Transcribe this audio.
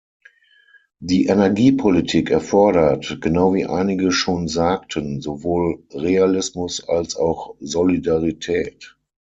Die Energiepolitik erfordert, genau wie einige schon sagten, sowohl Realismus als auch Solidarität.